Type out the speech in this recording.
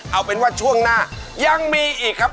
เอาเป็นว่าช่วงหน้ายังมีอีกครับ